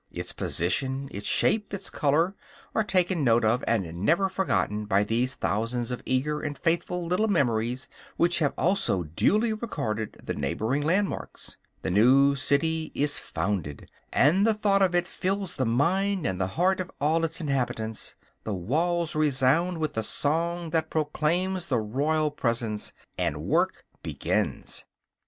Its position, its shape, its color, are taken note of and never forgotten by these thousands of eager and faithful little memories, which have also duly recorded the neighboring landmarks; the new city is founded and the thought of it fills the mind and the heart of all its inhabitants; the walls resound with the song that proclaims the royal presence; and work begins.